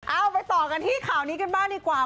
เอาไปต่อกันที่ข่าวนี้กันบ้างดีกว่า